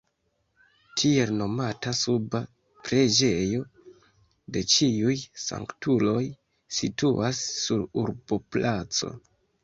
Tiel nomata suba preĝejo de Ĉiuj Sanktuloj situas sur urboplaco.